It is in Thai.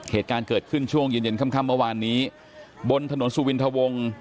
เหตุการณ์เกิดขึ้นช่วงเย็นเย็นค่ำเมื่อวานนี้บนถนนสุวินทะวง